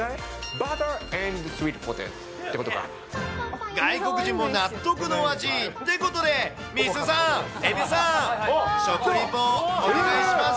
バター＆スイートポテトってこと外国人も納得の味。ってことで、ミースーさん、えびさん、食レポ、お願いします。